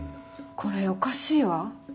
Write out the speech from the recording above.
これおかしいわ。